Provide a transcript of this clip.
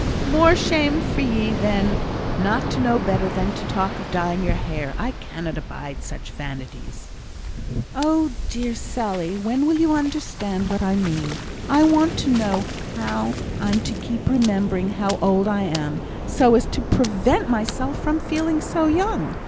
"More shame for ye, then, not to know better than to talk of dyeing your hair. I cannot abide such vanities!" "Oh, dear! Sally, when will you understand what I mean? I want to know how I am to keep remembering how old I am, so as to prevent myself from feeling so young?